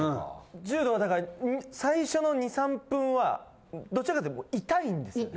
１０℃はだから最初の２３分はどっちかっていうともう痛いんですよね。